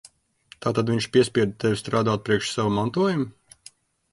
Tātad viņš piespieda tevi strādāt priekš sava mantojuma?